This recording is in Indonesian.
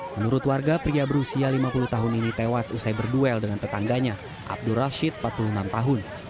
menurut warga pria berusia lima puluh tahun ini tewas usai berduel dengan tetangganya abdur rashid empat puluh enam tahun